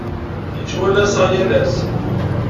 Yettwanas-aɣ yal ass.